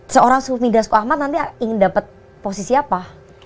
seorang sufmida suko ahmad nanti ingin dapat posisi apa